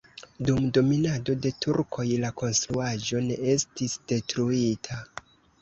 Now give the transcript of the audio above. Dum dominado de turkoj la konstruaĵo ne estis detruita.